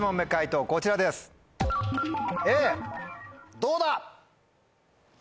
どうだ？